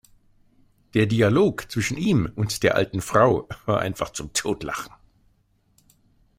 Der Dialog zwischen ihm und der alten Frau war einfach zum Totlachen!